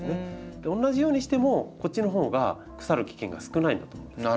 同じようにしてもこっちのほうが腐る危険が少ないんだと思うんですよね。